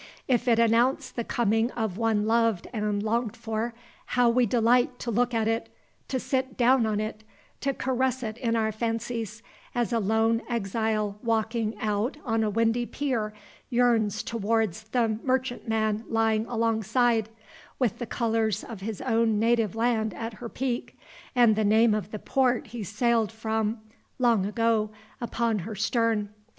If it announce the coming of one loved and longed for, how we delight to look at it, to sit down on it, to caress it in our fancies, as a lone exile walking out on a windy pier yearns towards the merchantman lying alongside, with the colors of his own native land at her peak, and the name of the port he sailed from long ago upon her stern!